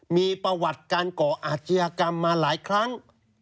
มีประวัติการก่ออาชญากรรมมาหลายครั้ง